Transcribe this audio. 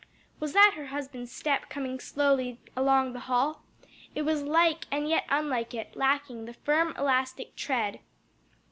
Was that her husband's step coming slowly along the hall? It was like and yet unlike it, lacking the firm, elastic tread.